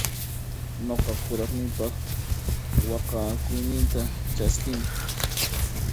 Nuqa kuraqniypaq waqhakuyninta chaskini.